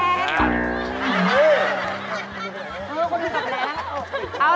เออคุณผู้ชมแล้ว